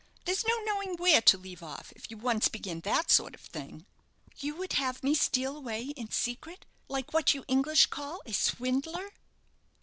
There's no knowing where to leave off if you once begin that sort of thing." "You would have me steal away in secret, like what you English call a swindler!"